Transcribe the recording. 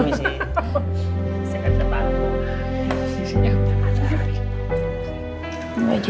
mbak jessica ada surat tanggal rumah